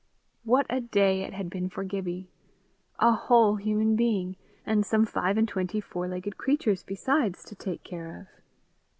What a day it had been for Gibbie! A whole human being, and some five and twenty four legged creatures besides, to take care of!